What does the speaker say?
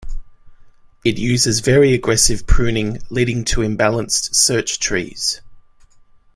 It uses very aggressive pruning, leading to imbalanced search trees.